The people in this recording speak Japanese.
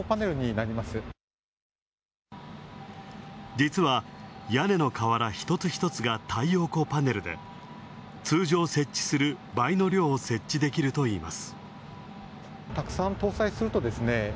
実は、屋根の瓦、１つ１つが太陽光パネルで通常設置する倍の量を設置できるといいます。